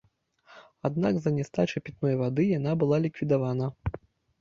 Аднак з-за нястачы пітной вады яна была ліквідавана.